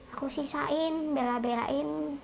aku sisain bela belain